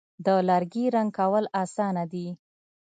د لرګي رنګ کول آسانه دي.